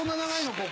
ここ。